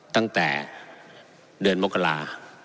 ตั้งแต่เดือนมกรา